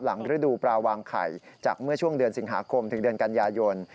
ฤดูปลาวางไข่จากเมื่อช่วงเดือนสิงหาคมถึงเดือนกันยายน